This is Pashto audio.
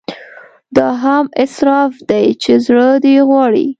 دا هم اسراف دی چې زړه دې غواړي.